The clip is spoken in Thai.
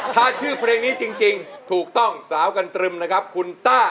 ถ้าชื่อเพลงนี้จริงถูกต้องสาวกันตรึมนะครับคุณต้า